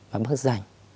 mà bác rảnh